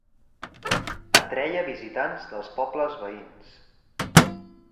Atreia visitants dels pobles veïns.